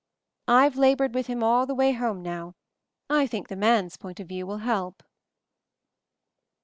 IVe la bored with him all the way home now; I think the man's point of view will help."